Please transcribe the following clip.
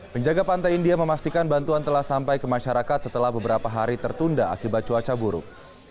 penjaga pantai india memastikan bantuan telah sampai ke masyarakat setelah beberapa hari tertunda akibat cuaca buruk